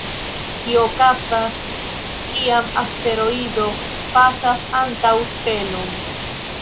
Tio okazas kiam asteroido pasas antaŭ stelon.